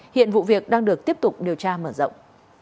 hiện vụ việc đang được tiếp tục điều tra mở rộng